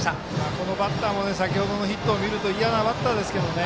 このバッターも先ほどのヒットを見ると嫌なバッターですけどね。